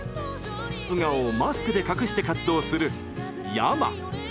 素顔をマスクで隠して活動するｙａｍａ。